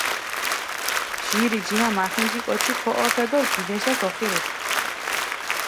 ჟირი ჯიმა მახინჯი კოჩი ქოჸოფე დო გილეშეს ოხირუშა.